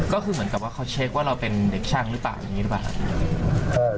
ก็คือเหมือนกับว่าเขาเช็คว่าเราเป็นเด็กช่างหรือเปล่าอย่างนี้หรือเปล่าครับ